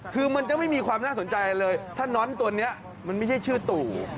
คือมันจะไม่มีความน่าสนใจอะไรเลยถ้าน้อนตัวนี้มันไม่ใช่ชื่อตู่